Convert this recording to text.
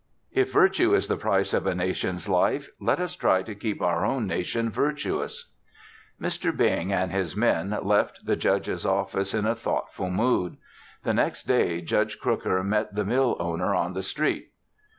_ "'If virtue is the price of a nation's life, let us try to keep our own nation virtuous.'" Mr. Bing and his men left the Judge's office in a thoughtful mood. The next day, Judge Crooker met the mill owner on the street.